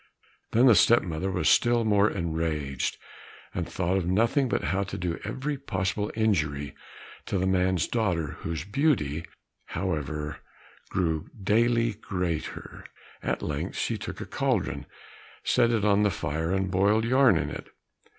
Then the step mother was still more enraged, and thought of nothing but how to do every possible injury to the man's daughter, whose beauty, however, grew daily greater. At length she took a cauldron, set it on the fire, and boiled yarn in it.